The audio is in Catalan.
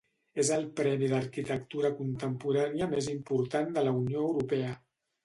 És el Premi d'Arquitectura contemporània més important de la Unió Europea.